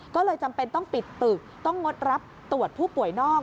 ก็เลยจำเป็นต้องปิดตึกต้องงดรับตรวจผู้ป่วยนอก